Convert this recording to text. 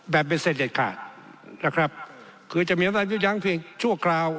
แบบเป็นเศรษฐ์เด็ดขาดคือจะมีอำนาจยับยังเพียงชั่วคราว